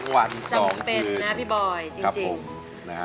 ๒วัน๒คืนจำเป็นนะพี่บอยจริง